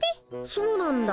そうなんだ。